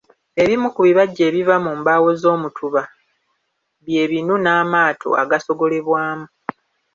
Ebimu ku bibajje ebiva mu mbaawo z'omutuba by'ebinu n'amaato agasogolebwamu.